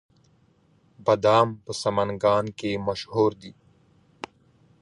بادام په سمنګان کې مشهور دي